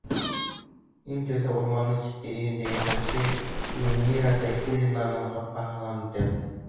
Иң тәүҙә урамдың ситке өйөндә йәшәүсе Миңнира Сәйфуллинаның ҡапҡаһынан үтәбеҙ.